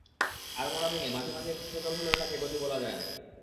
আড়মোড়া ভেঙে মাঝে মাঝে একটু সচল হলেও তাকে গতি বলা যায় না।